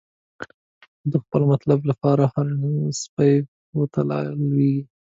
خو د خپل مطلب لپاره، د هر سپی پښو ته لویږی